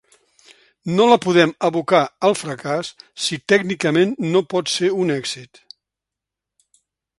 No la podem abocar al fracàs si tècnicament no pot ser un èxit.